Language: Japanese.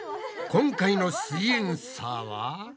今回の「すイエんサー」は。